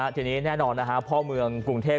ทีนี้แน่นอนพ่อเมืองกรุงเทพ